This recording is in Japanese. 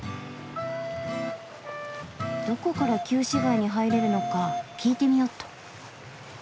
どこから旧市街に入れるのか聞いてみよっと。